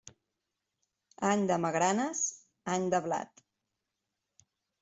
Any de magranes, any de blat.